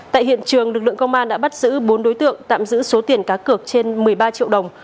tại hiện trường lực lượng công an đã bắt giữ bốn đối tượng tạm giữ số tiền cá cược trên một mươi ba triệu đồng